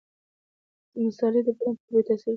مصالحې د بدن په بوی تاثیر کوي.